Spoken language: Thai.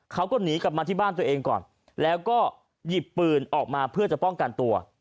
เขาก็หนีกลับมาที่บ้านตัวเองก่อนแล้วก็หยิบปืนออกมาเพื่อจะป้องกันตัว